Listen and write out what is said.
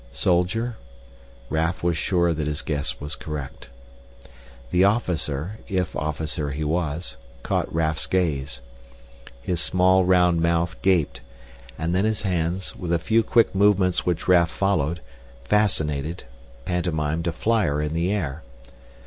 Soldier? Raf was sure that his guess was correct. The officer, if officer he was, caught Raf's gaze. His small round mouth gaped, and then his hands, with a few quick movements which Raf followed, fascinated, pantomimed a flyer in the air.